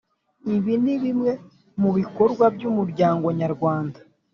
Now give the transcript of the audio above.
ibi nibimwe mubikorwa by’ umuryango nyarwanda